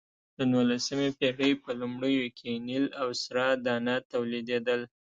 د نولسمې پېړۍ په لومړیو کې نیل او سره دانه تولیدېدل.